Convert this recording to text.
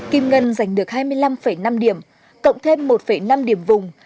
kim ngân giành được hai mươi năm năm điểm cộng thêm một năm điểm vùng